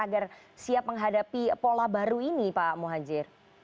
agar siap menghadapi pola baru ini pak muhajir